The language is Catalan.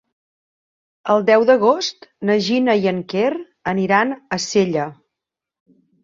El deu d'agost na Gina i en Quer aniran a Sella.